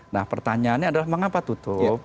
nah pertanyaannya adalah mengapa tutup